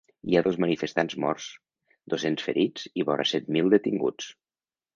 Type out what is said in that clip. Hi ha dos manifestants morts, dos-cents ferits i vora set mil detinguts.